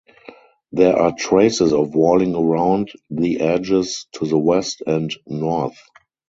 There are traces of walling around the edges to the west and north.